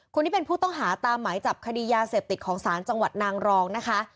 คนที่เป็นผู้ต้องหาตามหมายจับคดียาเสพติดของศาลจังหวัดนางรองนะคะ